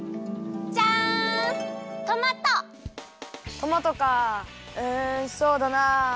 トマトかうんそうだなあ。